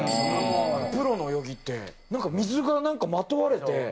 プロの泳ぎって水がなんかまとわれて。